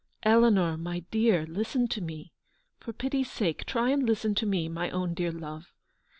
" Eleanor, my dear, listen to me; for pity's sake try and listen to me, my own dear love.